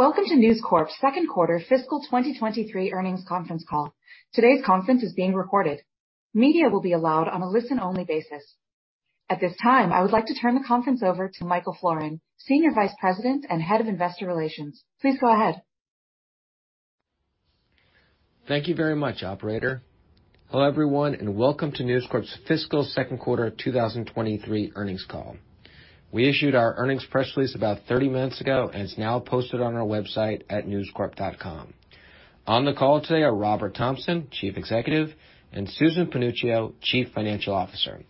Welcome to News Corp's Q2 Fiscal 2023 Earnings Conference Call. Today's conference is being recorded. Media will be allowed on a listen-only basis. At this time, I would like to turn the conference over to Michael Florin, Senior Vice President and Head of Investor Relations. Please go ahead. Thank you very much, operator. Hello, everyone, welcome to News Corp's Fiscal Q2 2023 Earnings Call. We issued our earnings press release about 30 minutes ago, and it's now posted on our website at newscorp.com. On the call today are Robert Thomson, Chief Executive, and Susan Panuccio, Chief Financial Officer.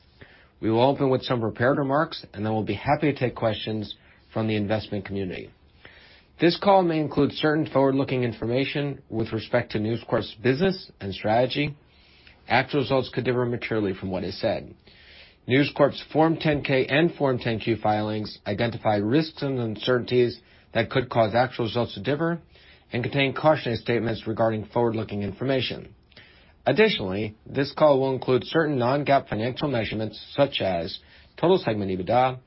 We will open with some prepared remarks, and then we'll be happy to take questions from the investment community. This call may include certain forward-looking information with respect to News Corp's business and strategy. Actual results could differ materially from what is said. News Corp's Form 10-K and Form 10-Q filings identify risks and uncertainties that could cause actual results to differ and contain cautionary statements regarding forward-looking information. Additionally, this call will include certain non-GAAP financial measurements such as total segment EBITDA,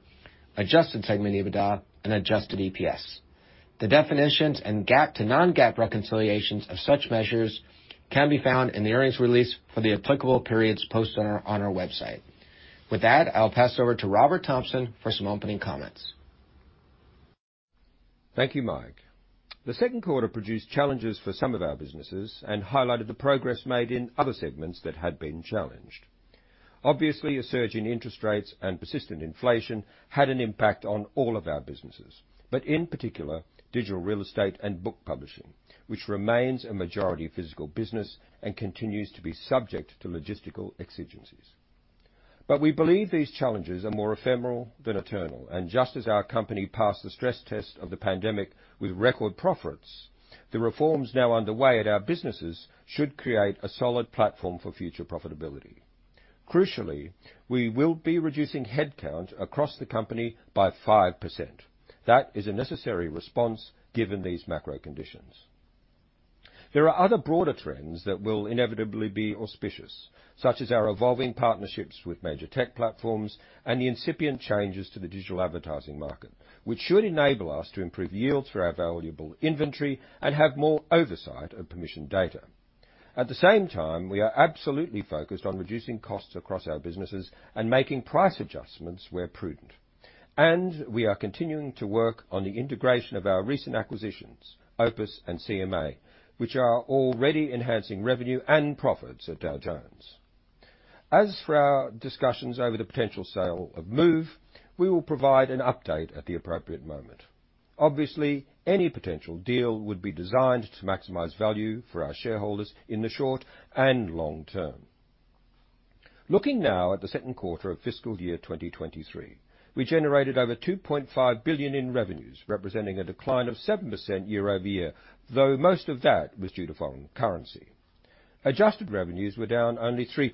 adjusted segment EBITDA, and adjusted EPS. The definitions and GAAP to non-GAAP reconciliations of such measures can be found in the earnings release for the applicable periods posted on our website. With that, I'll pass over to Robert Thomson for some opening comments. Thank you, Mike. The Q2 produced challenges for some of our businesses and highlighted the progress made in other segments that had been challenged. Obviously, a surge in interest rates and persistent inflation had an impact on all of our businesses, but in particular, digital real estate and book publishing, which remains a majority physical business and continues to be subject to logistical exigencies. We believe these challenges are more ephemeral than eternal, and just as our company passed the stress test of the pandemic with record profits, the reforms now underway at our businesses should create a solid platform for future profitability. Crucially, we will be reducing headcount across the company by 5%. That is a necessary response given these macro conditions. There are other broader trends that will inevitably be auspicious, such as our evolving partnerships with major tech platforms and the incipient changes to the digital advertising market, which should enable us to improve yields for our valuable inventory and have more oversight of permission data. At the same time, we are absolutely focused on reducing costs across our businesses and making price adjustments where prudent. We are continuing to work on the integration of our recent acquisitions, OPIS and CMA, which are already enhancing revenue and profits at Dow Jones. As for our discussions over the potential sale of Move, we will provide an update at the appropriate moment. Obviously, any potential deal would be designed to maximize value for our shareholders in the short and long term. Looking now at the Q2 of fiscal year 2023, we generated over $2.5 billion in revenues, representing a decline of 7% year-over-year, though most of that was due to foreign currency. Adjusted revenues were down only 3%.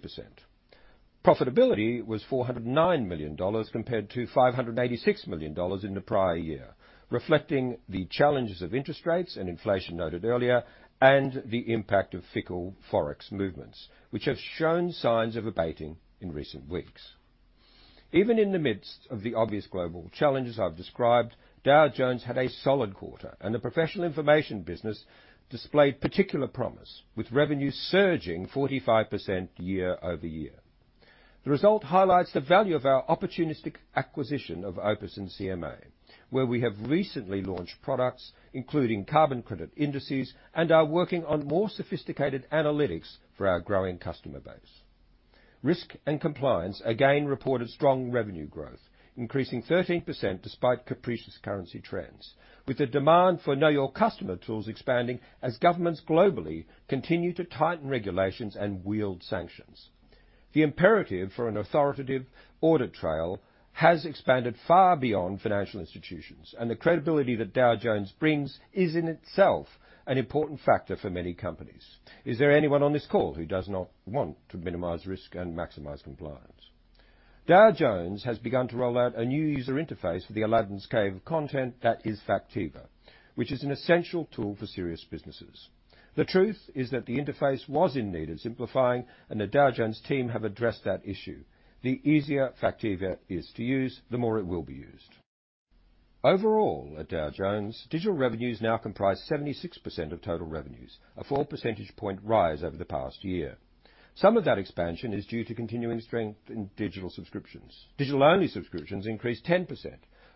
Profitability was $409 million compared to $586 million in the prior year, reflecting the challenges of interest rates and inflation noted earlier, and the impact of fickle Forex movements, which have shown signs of abating in recent weeks. Even in the midst of the obvious global challenges I've described, Dow Jones had a solid quarter, and the professional information business displayed particular promise, with revenue surging 45% year-over-year. The result highlights the value of our opportunistic acquisition of OPIS and CMA, where we have recently launched products, including carbon credit indices, and are working on more sophisticated analytics for our growing customer base. Risk and compliance again reported strong revenue growth, increasing 13% despite capricious currency trends, with the demand for know-your-customer tools expanding as governments globally continue to tighten regulations and wield sanctions. The imperative for an authoritative audit trail has expanded far beyond financial institutions. The credibility that Dow Jones brings is in itself an important factor for many companies. Is there anyone on this call who does not want to minimize risk and maximize compliance? Dow Jones has begun to roll out a new user interface for the Aladdin's Cave content that is Factiva, which is an essential tool for serious businesses. The truth is that the interface was in need of simplifying. The Dow Jones team have addressed that issue. The easier Factiva is to use, the more it will be used. Overall, at Dow Jones, digital revenues now comprise 76% of total revenues, a 4 percentage point rise over the past year. Some of that expansion is due to continuing strength in digital subscriptions. Digital-only subscriptions increased 10%,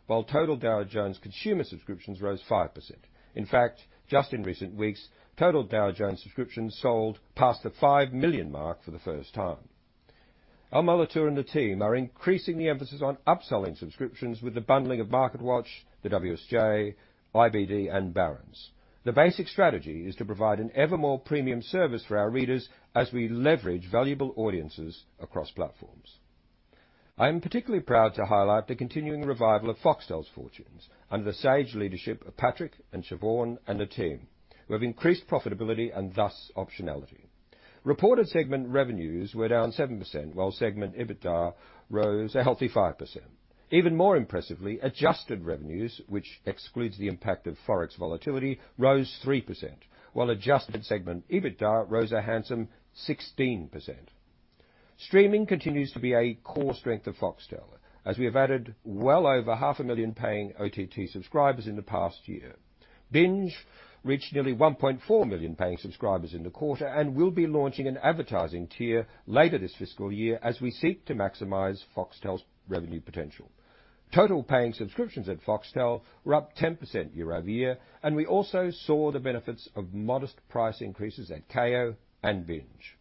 while total Dow Jones consumer subscriptions rose 5%. In fact, just in recent weeks, total Dow Jones subscriptions sold past the 5 million mark for the first time. Almar Latour and the team are increasing the emphasis on upselling subscriptions with the bundling of MarketWatch, the WSJ, IBD, and Barron's. The basic strategy is to provide an evermore premium service for our readers as we leverage valuable audiences across platforms. I am particularly proud to highlight the continuing revival of Foxtel's fortunes under the sage leadership of Patrick and Siobhan and the team, who have increased profitability and thus optionality. Reported segment revenues were down 7%, while segment EBITDA rose a healthy 5%. Even more impressively, adjusted revenues, which excludes the impact of Forex volatility, rose 3%, while adjusted segment EBITDA rose a handsome 16%. Streaming continues to be a core strength of Foxtel, as we have added well over half a million paying OTT subscribers in the past year. Binge reached nearly 1.4 million paying subscribers in the quarter and will be launching an advertising tier later this fiscal year as we seek to maximize Foxtel's revenue potential. Total paying subscriptions at Foxtel were up 10% year-over-year, and we also saw the benefits of modest price increases at Kayo and Binge.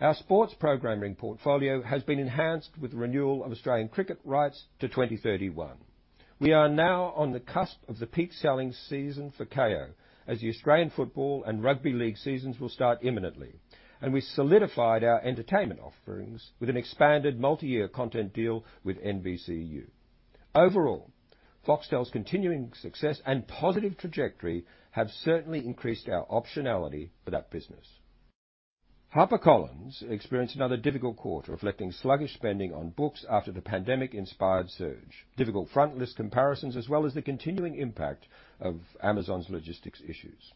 Our sports programming portfolio has been enhanced with renewal of Australian cricket rights to 2031. We are now on the cusp of the peak selling season for Kayo as the Australian football and rugby league seasons will start imminently. We solidified our entertainment offerings with an expanded multi-year content deal with NBCU. Overall, Foxtel's continuing success and positive trajectory have certainly increased our optionality for that business. HarperCollins experienced another difficult quarter reflecting sluggish spending on books after the pandemic-inspired surge, difficult front list comparisons, as well as the continuing impact of Amazon's logistics issues.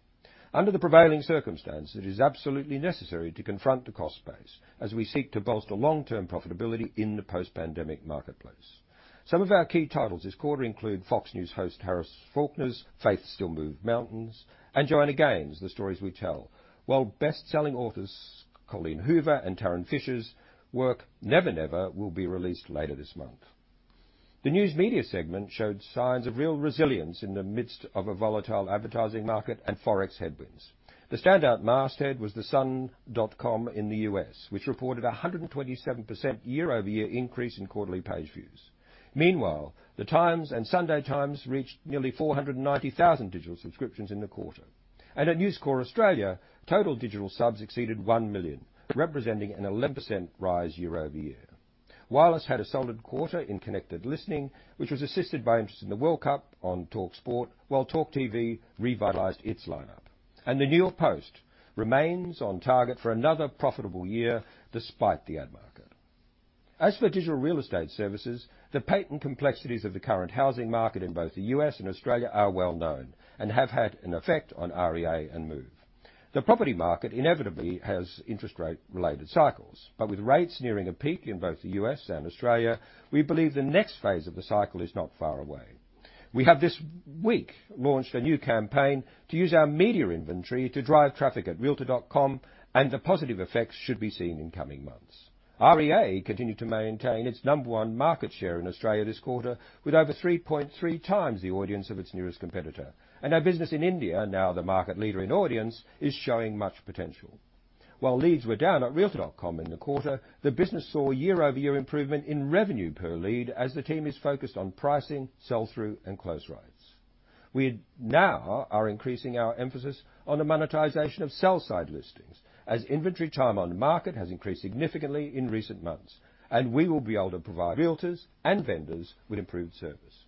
Under the prevailing circumstances, it is absolutely necessary to confront the cost base as we seek to bolster long-term profitability in the post-pandemic marketplace. Some of our key titles this quarter include Fox News host Harris Faulkner's Faith Still Moves Mountains and Joanna Gaines' The Stories We Tell. While best-selling authors Colleen Hoover and Tarryn Fisher's work Never Never will be released later this month. The news media segment showed signs of real resilience in the midst of a volatile advertising market and Forex headwinds. The standout masthead was TheSun.com in the U.S., which reported a 127% year-over-year increase in quarterly page views. Meanwhile, The Times and The Sunday Times reached nearly 490,000 digital subscriptions in the quarter. At News Corp Australia, total digital subs exceeded 1 million, representing an 11% rise year-over-year. Wireless had a solid quarter in connected listening, which was assisted by interest in the World Cup on talkSPORT, while TalkTV revitalized its lineup. The New York Post remains on target for another profitable year despite the ad market. As for digital real estate services, the patent complexities of the current housing market in both the U.S. and Australia are well known and have had an effect on REA and Move. The property market inevitably has interest rate-related cycles, but with rates nearing a peak in both the U.S. and Australia, we believe the next phase of the cycle is not far away. We have this week launched a new campaign to use our media inventory to drive traffic at realtor.com, and the positive effects should be seen in coming months. REA continued to maintain its number one market share in Australia this quarter with over 3.3x the audience of its nearest competitor. Our business in India, now the market leader in audience, is showing much potential. While leads were down at realtor.com in the quarter, the business saw year-over-year improvement in revenue per lead as the team is focused on pricing, sell-through, and close rates. We now are increasing our emphasis on the monetization of sell-side listings as inventory time on the market has increased significantly in recent months, and we will be able to provide realtors and vendors with improved service.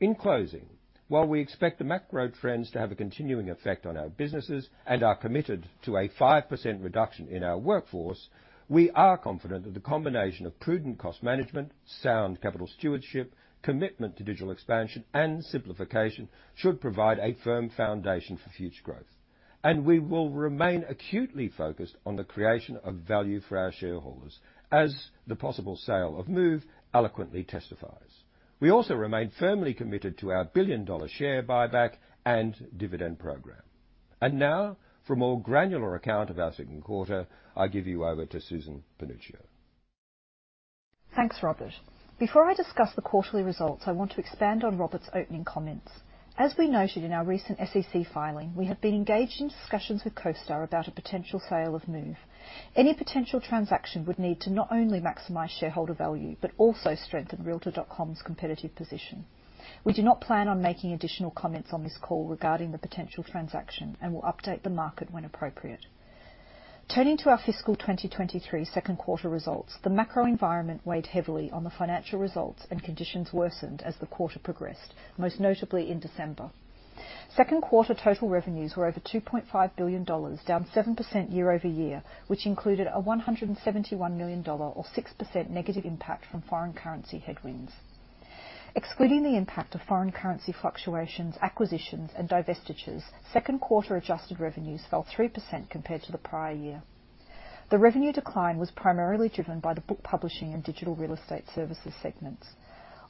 In closing, while we expect the macro trends to have a continuing effect on our businesses and are committed to a 5% reduction in our workforce, we are confident that the combination of prudent cost management, sound capital stewardship, commitment to digital expansion, and simplification should provide a firm foundation for future growth. We will remain acutely focused on the creation of value for our shareholders as the possible sale of Move eloquently testifies. We also remain firmly committed to our billion-dollar share buyback and dividend program. Now for a more granular account of our Q2, I give you over to Susan Panuccio. Thanks, Robert. Before I discuss the quarterly results, I want to expand on Robert's opening comments. As we noted in our recent SEC filing, we have been engaged in discussions with CoStar about a potential sale of Move. Any potential transaction would need to not only maximize shareholder value, but also strengthen realtor.com's competitive position. We do not plan on making additional comments on this call regarding the potential transaction and will update the market when appropriate. Turning to our fiscal 2023 Q2 results, the macro environment weighed heavily on the financial results and conditions worsened as the quarter progressed, most notably in December. Q2 total revenues were over $2.5 billion, down 7% year-over-year, which included a $171 million or 6% negative impact from foreign currency headwinds. Excluding the impact of foreign currency fluctuations, acquisitions, and divestitures, Q2 adjusted revenues fell 3% compared to the prior year. The revenue decline was primarily driven by the book publishing and digital real estate services segments.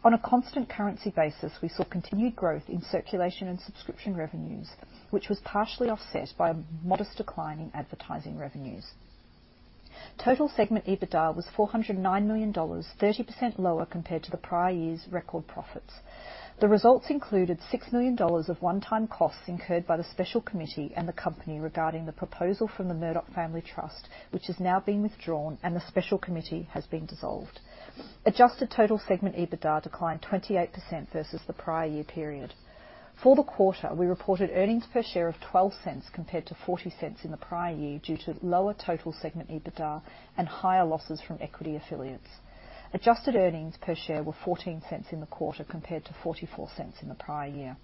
On a constant currency basis, we saw continued growth in circulation and subscription revenues, which was partially offset by a modest decline in advertising revenues. Total segment EBITDA was $409 million, 30% lower compared to the prior year's record profits. The results included $6 million of one-time costs incurred by the special committee and the company regarding the proposal from the Murdoch Family Trust, which has now been withdrawn and the special committee has been dissolved. Adjusted total segment EBITDA declined 28% versus the prior year period. For the quarter, we reported earnings per share of $0.12 compared to $0.40 in the prior year due to lower total segment EBITDA and higher losses from equity affiliates. Adjusted earnings per share were $0.14 in the quarter compared to $0.44 in the prior year.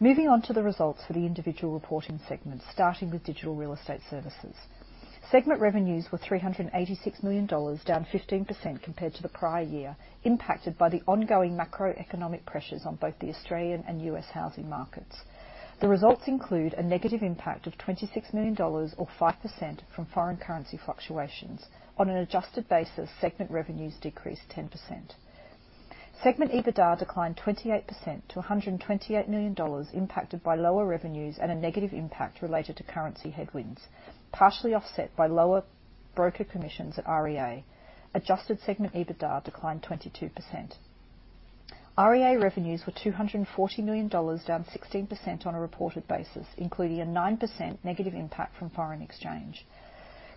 Moving on to the results for the individual reporting segments, starting with digital real estate services. Segment revenues were $386 million, down 15% compared to the prior year, impacted by the ongoing macroeconomic pressures on both the Australian and U.S. housing markets. The results include a negative impact of $26 million or 5% from foreign currency fluctuations. On an adjusted basis, segment revenues decreased 10%. Segment EBITDA declined 28% to $128 million impacted by lower revenues and a negative impact related to currency headwinds, partially offset by lower broker commissions at REA. Adjusted segment EBITDA declined 22%. REA revenues were $240 million, down 16% on a reported basis, including a 9% negative impact from foreign exchange.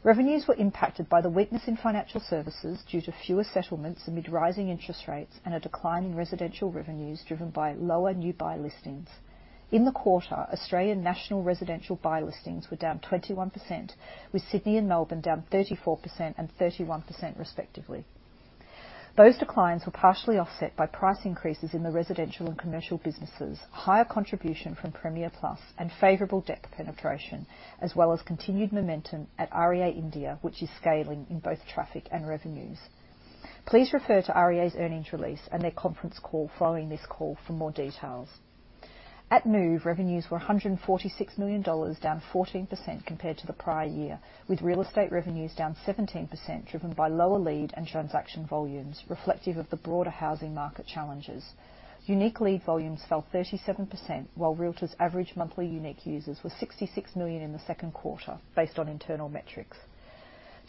Revenues were impacted by the weakness in financial services due to fewer settlements amid rising interest rates and a decline in residential revenues driven by lower new buy listings. In the quarter, Australian national residential buy listings were down 21%, with Sydney and Melbourne down 34% and 31% respectively. Those declines were partially offset by price increases in the residential and commercial businesses, higher contribution from Premier Plus, and favorable debt penetration, as well as continued momentum at REA India, which is scaling in both traffic and revenues. Please refer to REA's earnings release and their conference call following this call for more details. At Move, revenues were $146 million, down 14% compared to the prior year, with real estate revenues down 17%, driven by lower lead and transaction volumes reflective of the broader housing market challenges. Unique lead volumes fell 37%, while Realtors average monthly unique users were 66 million in the Q2 based on internal metrics.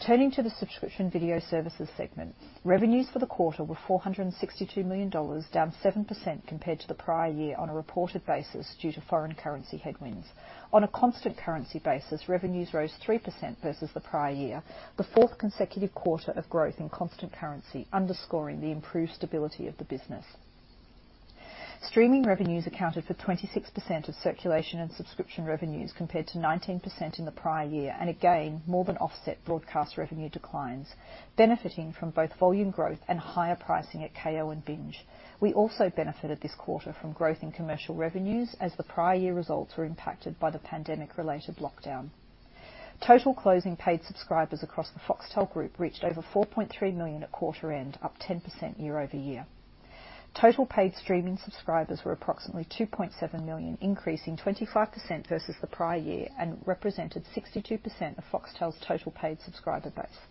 Turning to the subscription video services segment. Revenues for the quarter were $462 million, down 7% compared to the prior year on a reported basis due to foreign currency headwinds. On a constant currency basis, revenues rose 3% versus the prior year, the fourth consecutive quarter of growth in constant currency, underscoring the improved stability of the business. Again, more than offset broadcast revenue declines, benefiting from both volume growth and higher pricing at Kayo and Binge. We also benefited this quarter from growth in commercial revenues as the prior year results were impacted by the pandemic-related lockdown. Total closing paid subscribers across the Foxtel group reached over 4.3 million at quarter end, up 10% year-over-year. Total paid streaming subscribers were approximately 2.7 million, increasing 25% versus the prior year, and represented 62% of Foxtel's total paid subscriber base.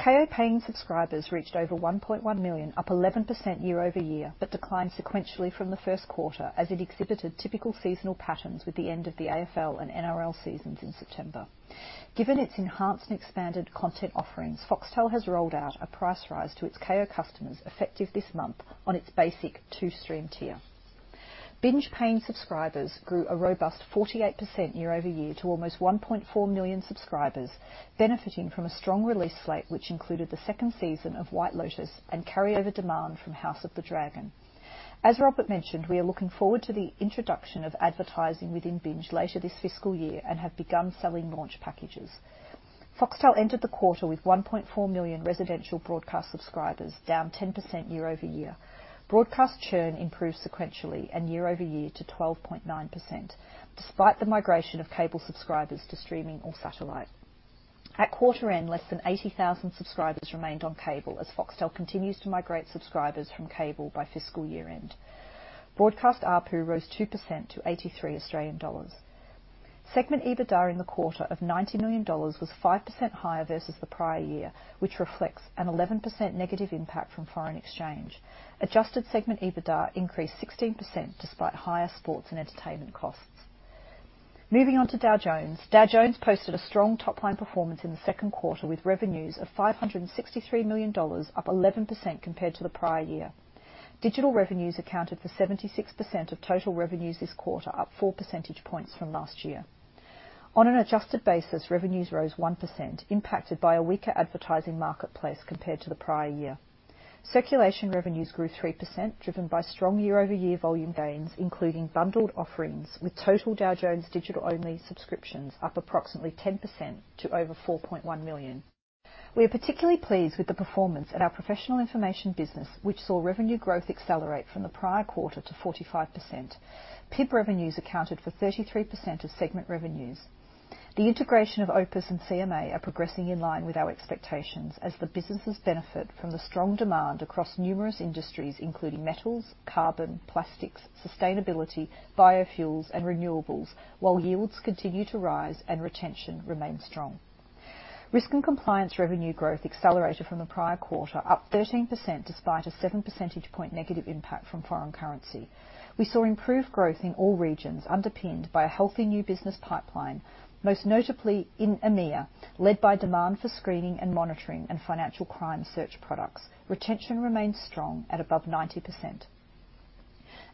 Kayo paying subscribers reached over 1.1 million, up 11% year-over-year, but declined sequentially from the Q1 as it exhibited typical seasonal patterns with the end of the AFL and NRL seasons in September. Given its enhanced and expanded content offerings, Foxtel has rolled out a price rise to its Kayo customers effective this month on its basic two-stream tier. Binge paying subscribers grew a robust 48% year-over-year to almost 1.4 million subscribers, benefiting from a strong release slate, which included the second season of The White Lotus and carryover demand from House of the Dragon. As Robert mentioned, we are looking forward to the introduction of advertising within Binge later this fiscal year and have begun selling launch packages. Foxtel entered the quarter with 1.4 million residential broadcast subscribers, down 10% year-over-year. Broadcast churn improved sequentially and year-over-year to 12.9%, despite the migration of cable subscribers to streaming or satellite. At quarter end, less than 80,000 subscribers remained on cable as Foxtel continues to migrate subscribers from cable by fiscal year-end. Broadcast ARPU rose 2% to 83 Australian dollars. Segment EBITDA in the quarter of $90 million was 5% higher versus the prior year, which reflects an 11% negative impact from foreign exchange. Adjusted segment EBITDA increased 16% despite higher sports and entertainment costs. Moving on to Dow Jones. Dow Jones posted a strong top-line performance in the Q2, with revenues of $563 million, up 11% compared to the prior year. Digital revenues accounted for 76% of total revenues this quarter, up 4 percentage points from last year. On an adjusted basis, revenues rose 1%, impacted by a weaker advertising marketplace compared to the prior year. Circulation revenues grew 3%, driven by strong year-over-year volume gains, including bundled offerings, with total Dow Jones' digital-only subscriptions up approximately 10% to over 4.1 million. We are particularly pleased with the performance at our professional information business, which saw revenue growth accelerate from the prior quarter to 45%. PIP revenues accounted for 33% of segment revenues. The integration of OPIS and CMA are progressing in line with our expectations as the businesses benefit from the strong demand across numerous industries, including metals, carbon, plastics, sustainability, biofuels, and renewables, while yields continue to rise and retention remains strong. Risk and compliance revenue growth accelerated from the prior quarter, up 13% despite a 7 percentage point negative impact from foreign currency. We saw improved growth in all regions, underpinned by a healthy new business pipeline, most notably in EMEA, led by demand for screening and monitoring and financial crime search products. Retention remains strong at above 90%.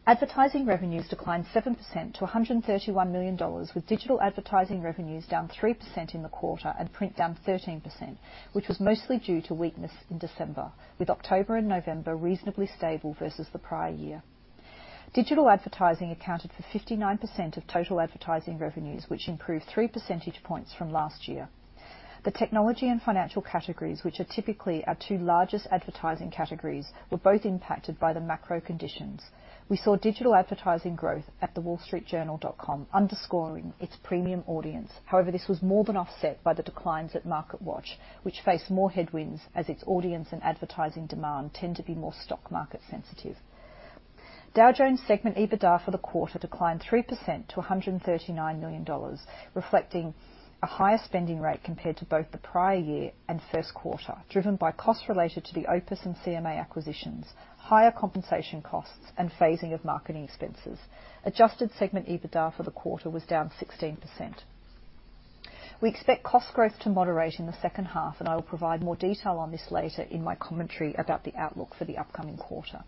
Advertising revenues declined 7% to $131 million, with digital advertising revenues down 3% in the quarter and print down 13%, which was mostly due to weakness in December, with October and November reasonably stable versus the prior year. Digital advertising accounted for 59% of total advertising revenues, which improved 3 percentage points from last year. The technology and financial categories, which are typically our two largest advertising categories, were both impacted by the macro conditions. We saw digital advertising growth at the wallstreetjournal.com underscoring its premium audience. However, this was more than offset by the declines at MarketWatch, which face more headwinds as its audience and advertising demand tend to be more stock market sensitive. Dow Jones segment EBITDA for the quarter declined 3% to $139 million, reflecting a higher spending rate compared to both the prior year and Q1, driven by costs related to the OPIS and CMA acquisitions, higher compensation costs, and phasing of marketing expenses. Adjusted segment EBITDA for the quarter was down 16%. We expect cost growth to moderate in the second half, and I will provide more detail on this later in my commentary about the outlook for the upcoming quarter.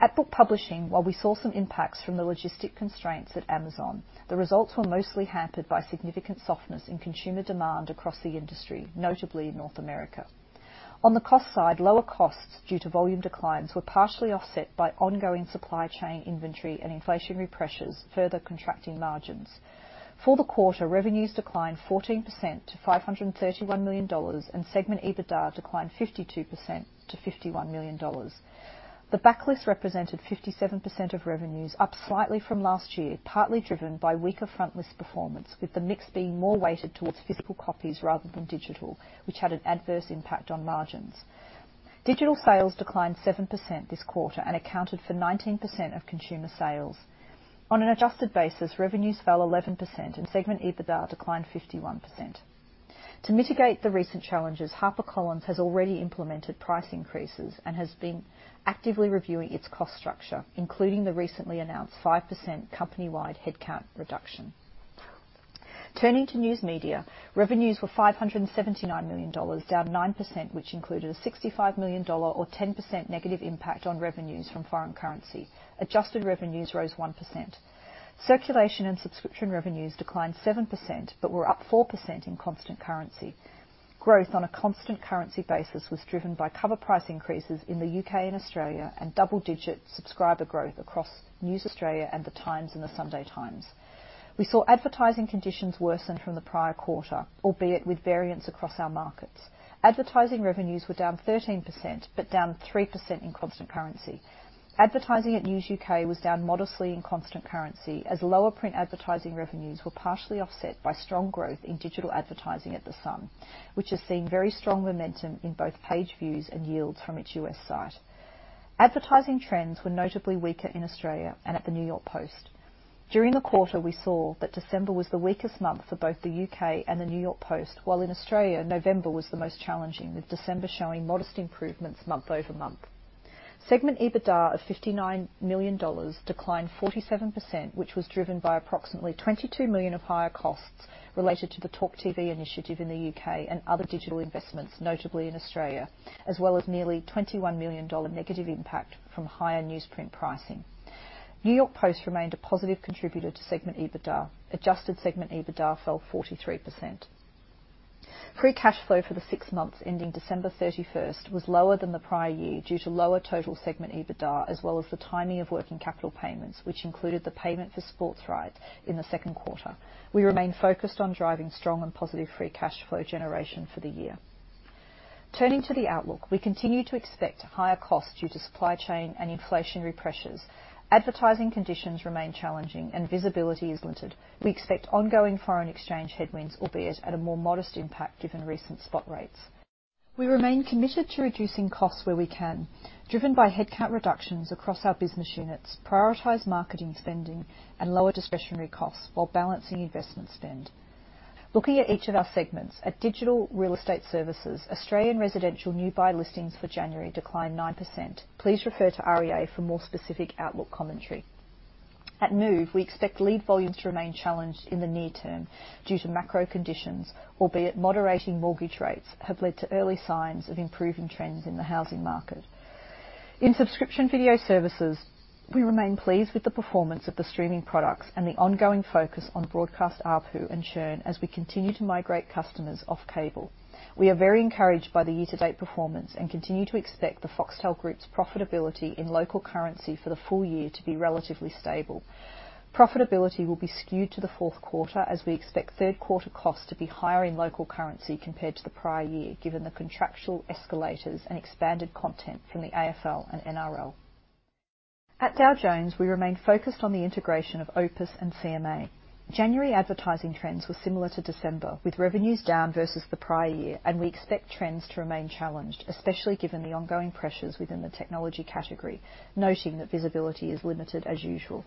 At Book Publishing, while we saw some impacts from the logistic constraints at Amazon, the results were mostly hampered by significant softness in consumer demand across the industry, notably in North America. On the cost side, lower costs due to volume declines were partially offset by ongoing supply chain inventory and inflationary pressures, further contracting margins. For the quarter, revenues declined 14% to $531 million, and segment EBITDA declined 52% to $51 million. The backlist represented 57% of revenues, up slightly from last year, partly driven by weaker frontlist performance. With the mix being more weighted towards physical copies rather than digital, which had an adverse impact on margins. Digital sales declined 7% this quarter and accounted for 19% of consumer sales. On an adjusted basis, revenues fell 11% and segment EBITDA declined 51%. To mitigate the recent challenges, HarperCollins has already implemented price increases and has been actively reviewing its cost structure, including the recently announced 5% company-wide headcount reduction. Turning to News Media, revenues were $579 million, down 9%, which included a $65 million or 10% negative impact on revenues from foreign currency. Adjusted revenues rose 1%. Circulation and subscription revenues declined 7% but were up 4% in constant currency. Growth on a constant currency basis was driven by cover price increases in the U.K. and Australia and double-digit subscriber growth across News Australia and The Times and The Sunday Times. We saw advertising conditions worsen from the prior quarter, albeit with variance across our markets. Advertising revenues were down 13% but down 3% in constant currency. Advertising at News UK was down modestly in constant currency as lower print advertising revenues were partially offset by strong growth in digital advertising at The Sun, which has seen very strong momentum in both page views and yields from its U.S. site. Advertising trends were notably weaker in Australia and at the New York Post. During the quarter, we saw that December was the weakest month for both the U.K. and the New York Post, while in Australia, November was the most challenging, with December showing modest improvements month-over-month. Segment EBITDA of $59 million declined 47%, which was driven by approximately $22 million of higher costs related to the TalkTV initiative in the U.K. and other digital investments, notably in Australia, as well as nearly $21 million negative impact from higher newsprint pricing. New York Post remained a positive contributor to segment EBITDA. Adjusted segment EBITDA fell 43%. Free cash flow for the six months ending December 31st was lower than the prior year due to lower total segment EBITDA as well as the timing of working capital payments, which included the payment for sports rights in the Q2. We remain focused on driving strong and positive free cash flow generation for the year. Turning to the outlook, we continue to expect higher costs due to supply chain and inflationary pressures. Advertising conditions remain challenging and visibility is limited. We expect ongoing foreign exchange headwinds, albeit at a more modest impact given recent spot rates. We remain committed to reducing costs where we can, driven by headcount reductions across our business units, prioritize marketing spending and lower discretionary costs while balancing investment spend. Looking at each of our segments, at Digital Real Estate Services, Australian residential new buy listings for January declined 9%. Please refer to REA for more specific outlook commentary. At Move, we expect lead volumes to remain challenged in the near term due to macro conditions, albeit moderating mortgage rates have led to early signs of improving trends in the housing market. In Subscription Video Services, we remain pleased with the performance of the streaming products and the ongoing focus on broadcast ARPU and churn as we continue to migrate customers off cable. We are very encouraged by the year-to-date performance and continue to expect the Foxtel group's profitability in local currency for the full year to be relatively stable. Profitability will be skewed to the Q4 as we expect Q3 costs to be higher in local currency compared to the prior year, given the contractual escalators and expanded content from the AFL and NRL. At Dow Jones, we remain focused on the integration of OPIS and CMA. January advertising trends were similar to December, with revenues down versus the prior year, and we expect trends to remain challenged, especially given the ongoing pressures within the technology category, noting that visibility is limited as usual.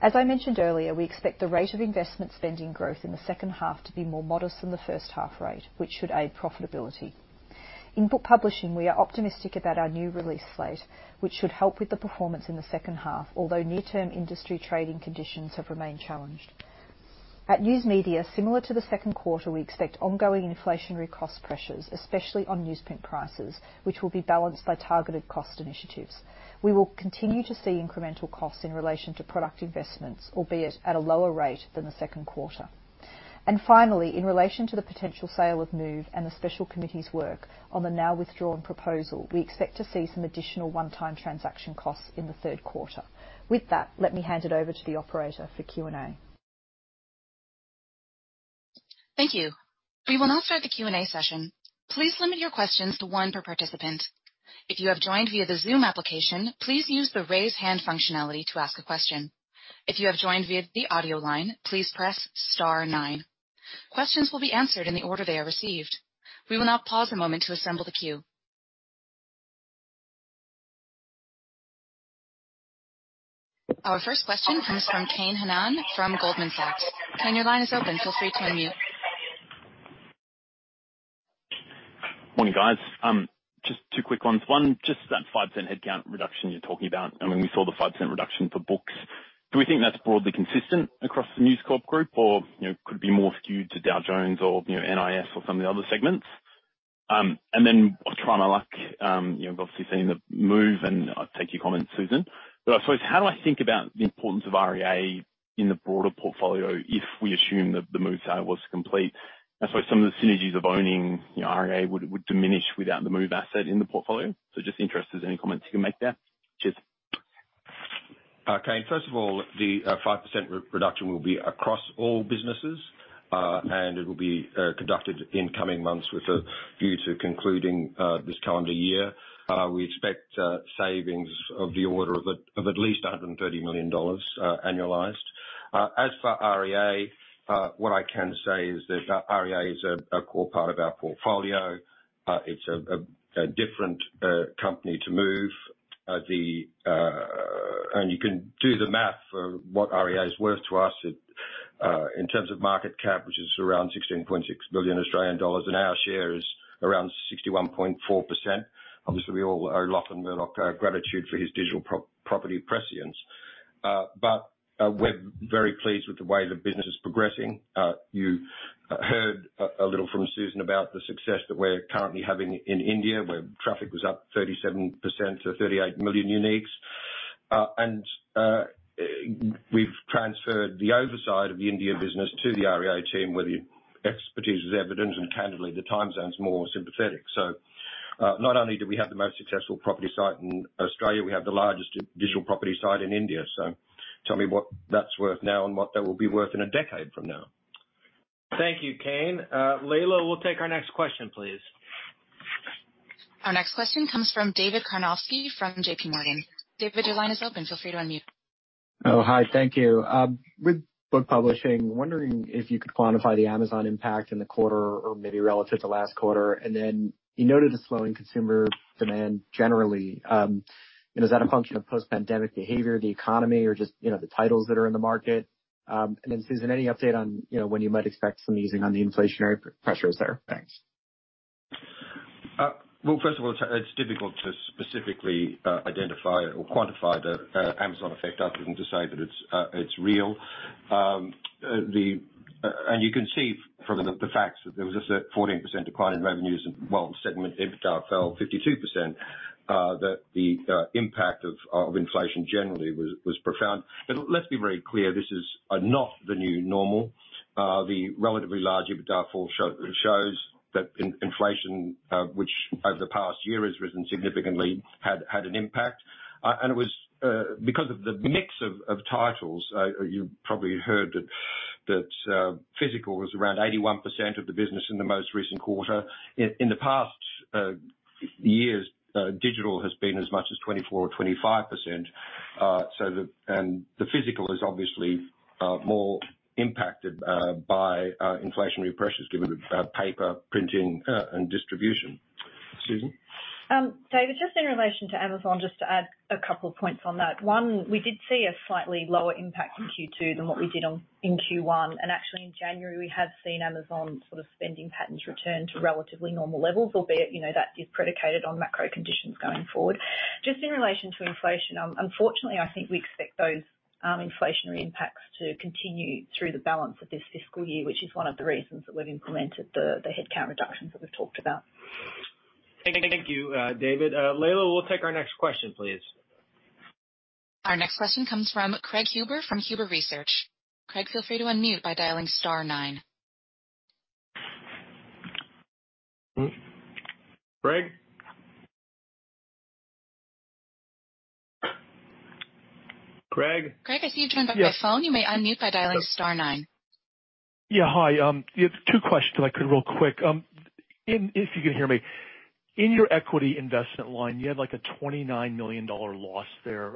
As I mentioned earlier, we expect the rate of investment spending growth in the second half to be more modest than the first half rate, which should aid profitability. In Book Publishing, we are optimistic about our new release slate, which should help with the performance in the second half, although near-term industry trading conditions have remained challenged. At News Media, similar to the Q2, we expect ongoing inflationary cost pressures, especially on newsprint prices, which will be balanced by targeted cost initiatives. We will continue to see incremental costs in relation to product investments, albeit at a lower rate than the Q2. Finally, in relation to the potential sale of Move and the special committee's work on the now withdrawn proposal, we expect to see some additional one-time transaction costs in the Q3. With that, let me hand it over to the operator for Q&A. Thank you. We will now start the Q&A session. Please limit your questions to one per participant. If you have joined via the Zoom application, please use the raise hand functionality to ask a question. If you have joined via the audio line, please press star nine. Questions will be answered in the order they are received. We will now pause a moment to assemble the queue. Our first question comes from Kane Hannan from Goldman Sachs. Kane, your line is open. Feel free to unmute. Morning, guys. Just two quick ones. One, just that 5% headcount reduction you're talking about, I mean, we saw the 5% reduction for Books. Do we think that's broadly consistent across the News Corp group or, you know, could be more skewed to Dow Jones or, you know, NIS or some of the other segments? Then I'll try my luck. You know, obviously seeing the Move, and I'll take your comment, Susan. I suppose how do I think about the importance of REA in the broader portfolio if we assume that the Move sale was complete? That's why some of the synergies of owning, you know, REA would diminish without the Move asset in the portfolio. Just interested if there's any comments you can make there. Cheers. Kane, first of all, the 5% re-reduction will be across all businesses, it will be conducted in coming months with a view to concluding this calendar year. We expect savings of the order of at least $130 million annualized. As for REA, what I can say is that REA is a core part of our portfolio. It's a different company to Move. You can do the math for what REA is worth to us at in terms of market cap, which is around 16.6 billion Australian dollars, and our share is around 61.4%. Obviously, we all owe Lachlan Murdoch our gratitude for his digital pro-property prescience. We're very pleased with the way the business is progressing. You heard a little from Susan about the success that we're currently having in India, where traffic was up 37% to 38 million uniques. We've transferred the oversight of the India business to the REA team, where the expertise is evident, and candidly, the time zone's more sympathetic. Not only do we have the most successful property site in Australia, we have the largest digital property site in India. Tell me what that's worth now and what that will be worth in a decade from now. Thank you, Kane. Leila, we'll take our next question, please. Our next question comes from David Karnovsky from JPMorgan. David, your line is open. Feel free to unmute. Hi. Thank you. With book publishing, wondering if you could quantify the Amazon impact in the quarter or maybe relative to last quarter. You noted a slowing consumer demand generally. Is that a function of post-pandemic behavior, the economy or just, you know, the titles that are in the market? Susan, any update on, you know, when you might expect some easing on the inflationary pressures there? Thanks. Well, first of all, it's difficult to specifically identify or quantify the Amazon effect other than to say that it's real. The and you can see from the facts that there was a 14% decline in revenues and, well, segment EBITDA fell 52%. That the impact of inflation generally was profound. But let's be very clear, this is not the new normal. The relatively large EBITDA fall shows that inflation, which over the past year has risen significantly, had an impact. And it was because of the mix of titles. You probably heard that physical was around 81% of the business in the most recent quarter. In the past, years, digital has been as much as 24% or 25%. The physical is obviously more impacted by inflationary pressures given paper, printing, and distribution. Susan? David, just in relation to Amazon, just to add a couple of points on that. We did see a slightly lower impact in Q2 than what we did in Q1. Actually, in January, we have seen Amazon sort of spending patterns return to relatively normal levels, albeit, you know, that is predicated on macro conditions going forward. Just in relation to inflation, unfortunately, I think we expect those inflationary impacts to continue through the balance of this fiscal year, which is one of the reasons that we've implemented the headcount reductions that we've talked about. Thank you, David. Leila, we'll take our next question, please. Our next question comes from Craig Huber from Huber Research. Craig, feel free to unmute by dialing star nine. Craig? Craig? Craig, I see you've turned on your phone. You may unmute by dialing star nine. Yeah. Hi. Yeah, two questions if I could real quick. If you can hear me. In your equity investment line, you had, like, a $29 million loss there.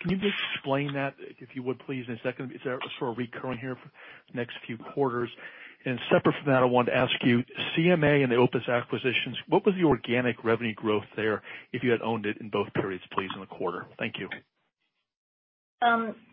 Can you just explain that, if you would, please? Is that sort of recurring here for the next few quarters? Separate from that, I wanted to ask you, CMA and the OPIS acquisitions, what was the organic revenue growth there if you had owned it in both periods, please, in the quarter? Thank you.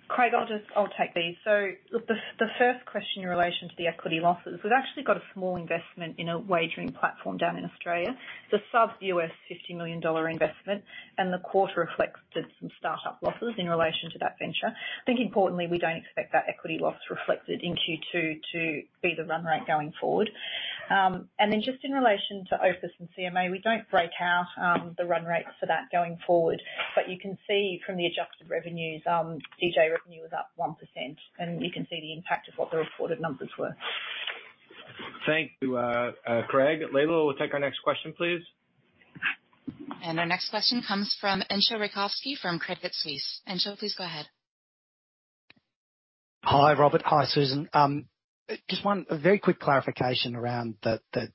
Craig, I'll just take these. The first question in relation to the equity losses, we've actually got a small investment in a wagering platform down in Australia. The sub U.S. $50 million investment and the quarter reflected some startup losses in relation to that venture. I think importantly, we don't expect that equity loss reflected in Q2 to be the run rate going forward. Just in relation to OPIS and CMA, we don't break out the run rates for that going forward. But you can see from the adjusted revenues, DJ revenue was up 1%, and you can see the impact of what the reported numbers were. Thank you, Craig. Leila, we'll take our next question, please. Our next question comes from Entcho Raykovski from Credit Suisse. Entcho, please go ahead. Hi, Robert. Hi, Susan. Just a very quick clarification around the 5%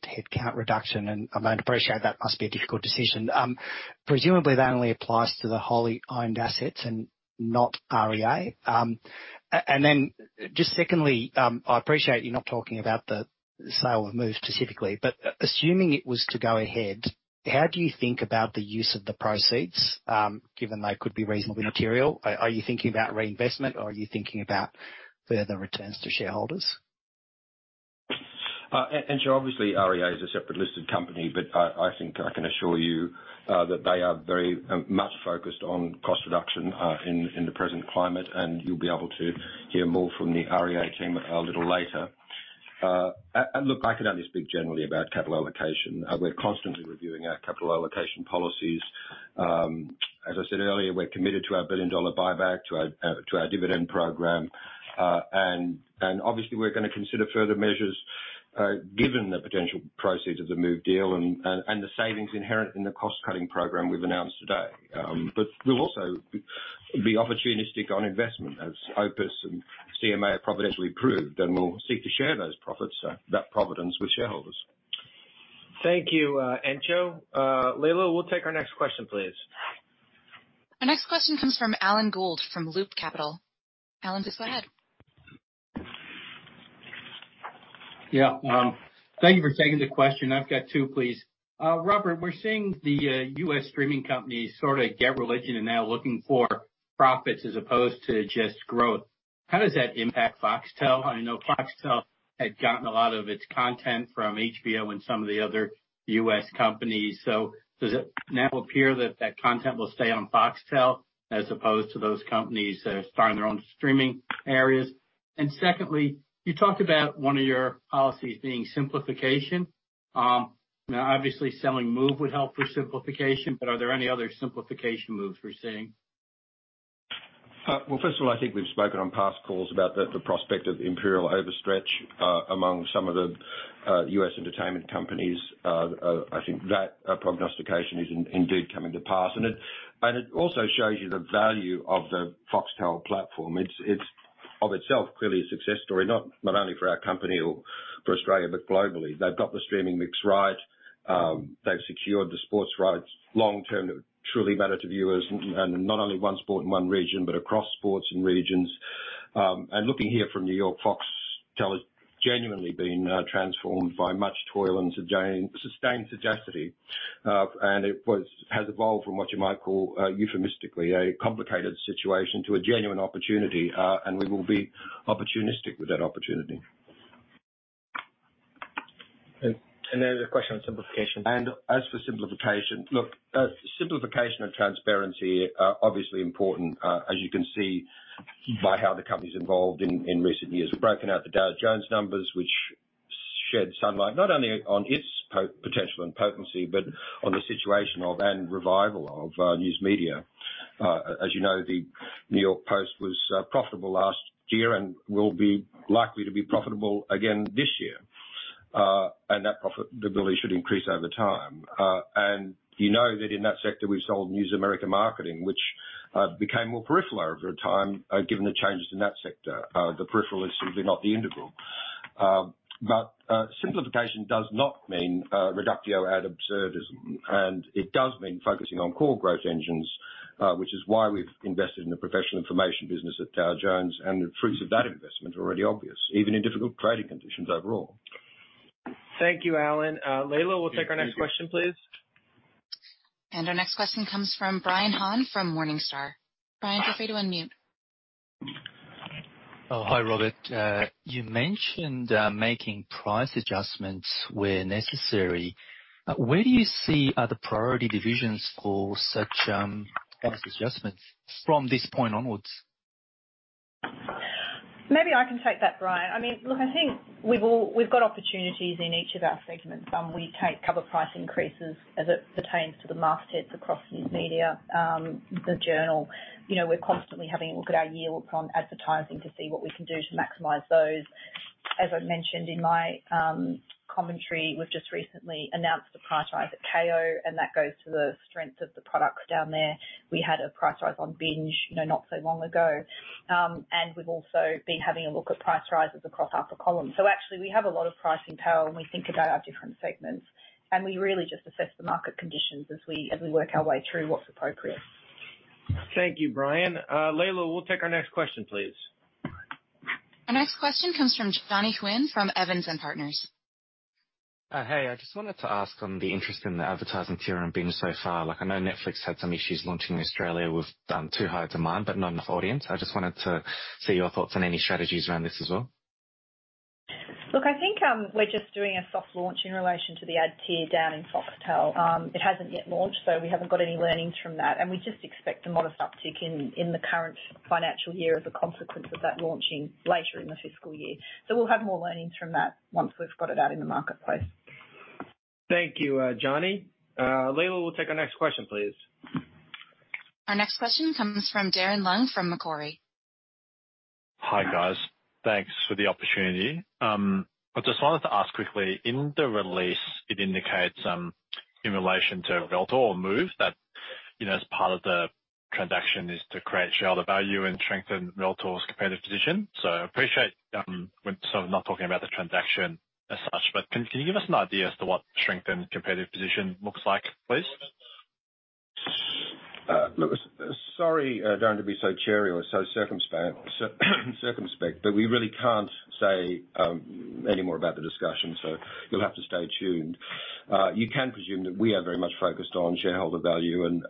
headcount reduction, and I appreciate that must be a difficult decision. Presumably, that only applies to the wholly-owned assets and not REA. Just secondly, I appreciate you're not talking about the sale of Move specifically, but assuming it was to go ahead, how do you think about the use of the proceeds, given they could be reasonably material? Are you thinking about reinvestment or are you thinking about further returns to shareholders? Sure, obviously REA is a separate listed company, but I think I can assure you that they are very much focused on cost reduction in the present climate, and you'll be able to hear more from the REA team a little later. Look, I can only speak generally about capital allocation. We're constantly reviewing our capital allocation policies. As I said earlier, we're committed to our billion-dollar buyback, to our dividend program. Obviously, we're gonna consider further measures given the potential proceeds of the Move deal and the savings inherent in the cost-cutting program we've announced today. We'll also be opportunistic on investment as OPIS and CMA have providentially proved, and we'll seek to share those profits that providence with shareholders. Thank you, Entcho. Leila, we'll take our next question, please. Our next question comes from Alan Gould from Loop Capital. Alan, please go ahead. Yeah. Thank you for taking the question. I've got two, please. Robert, we're seeing the US streaming companies sort of get religion and now looking for profits as opposed to just growth. How does that impact Foxtel? I know Foxtel had gotten a lot of its content from HBO and some of the other US companies. Does it now appear that that content will stay on Foxtel as opposed to those companies starting their own streaming areas? Secondly, you talked about one of your policies being simplification. Now, obviously, selling Move would help with simplification, but are there any other simplification moves we're seeing? Well, first of all, I think we've spoken on past calls about the prospect of imperial overstretch among some of the U.S. entertainment companies. I think that prognostication is indeed coming to pass, and it also shows you the value of the Foxtel platform. It's of itself, clearly a success story, not only for our company or for Australia, but globally. They've got the streaming mix right. They've secured the sports rights long term that truly matter to viewers, and not only one sport and one region, but across sports and regions. Looking here from New York, Foxtel has genuinely been transformed by much toil and sustained sagacity. It has evolved from what you might call euphemistically a complicated situation to a genuine opportunity, and we will be opportunistic with that opportunity. There's a question on simplification. As for simplification, look, simplification and transparency are obviously important, as you can see by how the company's evolved in recent years. We've broken out the Dow Jones numbers, which shed sunlight not only on its potential and potency, but on the situation of, and revival of, News Media. As you know, the New York Post was profitable last year and will be likely to be profitable again this year. That profitability should increase over time. You know that in that sector we sold News America Marketing, which became more peripheral over time, given the changes in that sector. The peripheral is simply not the integral. Simplification does not mean reductio ad absurdism. It does mean focusing on core growth engines, which is why we've invested in the professional information business at Dow Jones. The fruits of that investment are already obvious, even in difficult trading conditions overall. Thank you, Alan. Leila, we'll take our next question, please. Our next question comes from Brian Han from Morningstar. Brian, feel free to unmute. Hi, Robert. You mentioned making price adjustments where necessary. Where do you see are the priority divisions for such price adjustments from this point onwards? Maybe I can take that, Brian. I mean, look, I think we've got opportunities in each of our segments. We take cover price increases as it pertains to the market heads across News Media, The Journal. You know, we're constantly having a look at our yields on advertising to see what we can do to maximize those. As I mentioned in my commentary, we've just recently announced a price rise at Kayo. That goes to the strength of the products down there. We had a price rise on Binge, you know, not so long ago. We've also been having a look at price rises across upper column. Actually, we have a lot of pricing power when we think about our different segments, and we really just assess the market conditions as we, as we work our way through what's appropriate. Thank you, Brian. Leila, we'll take our next question, please. Our next question comes from Johnny Huynh from Evans and Partners. Hey, I just wanted to ask on the interest in the advertising tier on Binge so far. Like, I know Netflix had some issues launching in Australia with too high demand but not enough audience. I just wanted to see your thoughts on any strategies around this as well. Look, I think, we're just doing a soft launch in relation to the ad tier down in Foxtel. It hasn't yet launched, so we haven't got any learnings from that, and we just expect a modest uptick in the current financial year as a consequence of that launching later in the fiscal year. We'll have more learnings from that once we've got it out in the marketplace. Thank you, Johnny. Leila, we'll take our next question, please. Our next question comes from Darren Leung from Macquarie. Hi, guys. Thanks for the opportunity. I just wanted to ask quickly, in the release, it indicates, in relation to Realtor or Move that, you know, as part of the transaction is to create shareholder value and strengthen Realtor's competitive position. Appreciate, I'm not talking about the transaction as such, but can you give us an idea as to what strengthened competitive position looks like, please? Sorry, Darren, to be so cheery or so circumspect, but we really can't say any more about the discussion, so you'll have to stay tuned. You can presume that we are very much focused on shareholder value and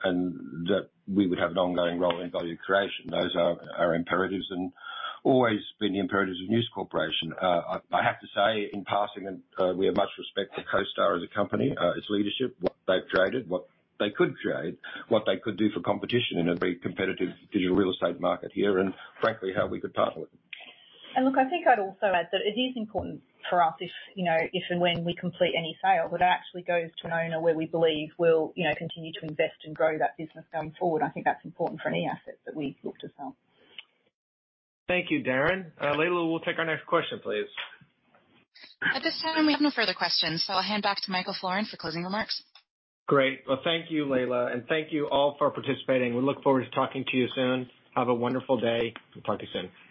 that we would have an ongoing role in value creation. Those are our imperatives and always been the imperatives of News Corporation. I have to say in passing that we have much respect for CoStar as a company, its leadership, what they've created, what they could create, what they could do for competition in a very competitive digital real estate market here, and frankly, how we could partner with them. Look, I think I'd also add that it is important for us if, you know, if and when we complete any sale, that it actually goes to an owner where we believe will, you know, continue to invest and grow that business going forward. I think that's important for any asset that we look to sell. Thank you, Darren. Leila, we'll take our next question, please. At this time, we have no further questions, so I'll hand back to Michael Florin for closing remarks. Great. Well, thank you, Leila, and thank you all for participating. We look forward to talking to you soon. Have a wonderful day. We'll talk to you soon. Bye.